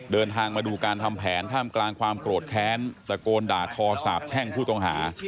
เดินทางมาดูการทำแผนท่ามกลางความโกรธแค้นตะโกนด่าทอสาบแช่งผู้ต้องหา